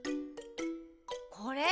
これ？